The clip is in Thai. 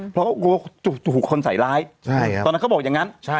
เพราะกลัวถูกถูกคนใส่ร้ายใช่ครับตอนนั้นเขาบอกอย่างงั้นใช่